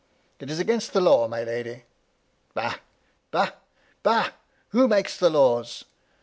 " It is against the law, my lady." "Bah! Bah! Bah! Who makes laws?